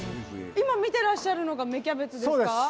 今見てらっしゃるのが芽キャベツですか？